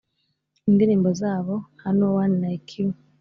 Indirimbo zabo nka No one like you